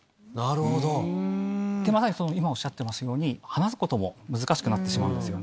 まさに今おっしゃってますように話すことも難しくなってしまうんですよね。